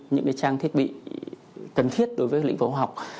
những trang thiết bị cần thiết đối với lĩnh vụ học